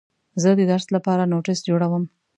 زه د درس لپاره نوټس جوړوم.